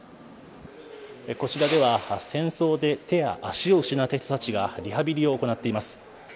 こちらでは戦争で手や足を失った人たちがリハビリを行っています。